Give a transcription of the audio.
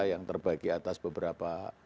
yang terbagi atas beberapa